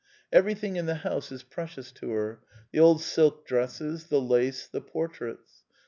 Everything in the house is precious to her: the old silk dresses, the lace, the portraits.